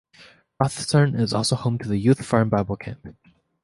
Rosthern is also home to the Youth Farm Bible Camp.